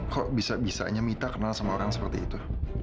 kok bisa bisanya mita kenal sama orang seperti itu